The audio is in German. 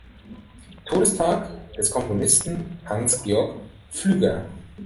Todestag des Komponisten Hans Georg Pflüger.